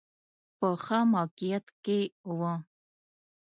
په ښه موقعیت کې و.